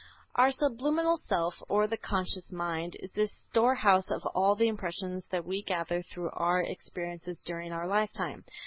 Our subliminal self, or the subconscious mind, is the storehouse of all the impressions that we gather through our experiences during our lifetime.